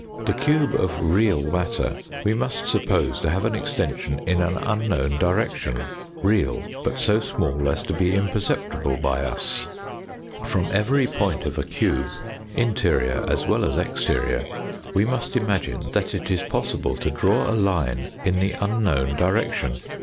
The cube of real matter we must suppose to have an extension in an unknown direction, real, but so small as to be imperceptible by us. From every point of a cube, interior as well as exterior, we must imagine that it is possible to draw a line in the unknown direction.